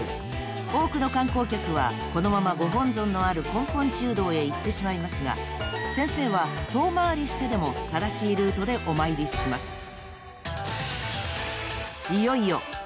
［多くの観光客はこのままご本尊のある根本中堂へ行ってしまいますが先生は遠回りしてでも正しいルートでお参りします］うわ。